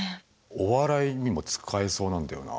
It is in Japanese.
お笑いにも使えそうなんだよな。